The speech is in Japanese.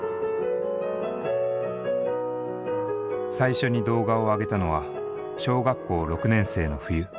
最初に動画をあげたのは小学校６年生の冬。